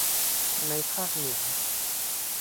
ในภาคเหนือ